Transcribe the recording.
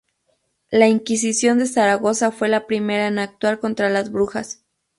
La Inquisición de Zaragoza fue la primera en actuar contra las brujas.